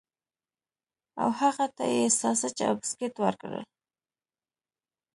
او هغه ته یې ساسج او بسکټ ورکړل